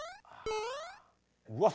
うわっ！